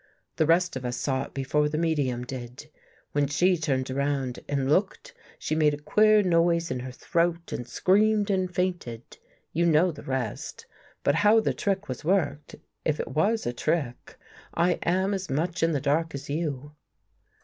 The rest of us saw it before the medium did. When she turned around and looked, she made a queer noise in her throat and screamed and fainted. You know the rest. But how the trick was worked, if it was a trick, I am as much in the dark as you."